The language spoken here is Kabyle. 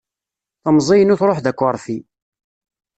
Temẓi inu truḥ d akeṛfi.